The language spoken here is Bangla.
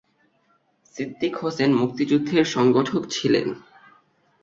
সিদ্দিক হোসেন মুক্তিযুদ্ধের সংগঠক ছিলেন।